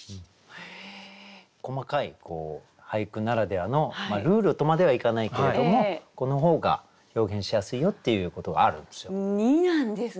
細かい俳句ならではのルールとまではいかないけれどもこの方が表現しやすいよっていうことがあるんですよ。